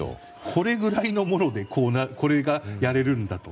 これくらいのものでこれをやれるんだと。